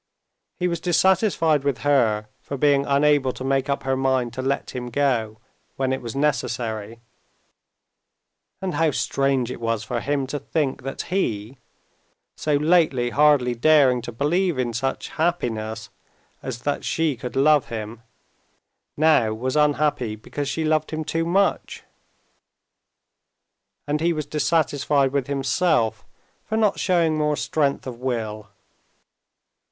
He was dissatisfied with her for being unable to make up her mind to let him go when it was necessary (and how strange it was for him to think that he, so lately hardly daring to believe in such happiness as that she could love him—now was unhappy because she loved him too much!), and he was dissatisfied with himself for not showing more strength of will.